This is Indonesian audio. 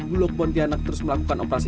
bulog pontianak terus melakukan operasi